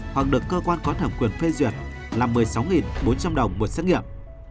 hoặc được cơ quan có thẩm quyền phê duyệt là một mươi sáu bốn trăm linh đồng một xét nghiệm